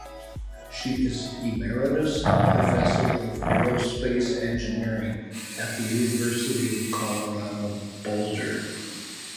She is Emeritus Professor of Aerospace Engineering at the University of Colorado Boulder.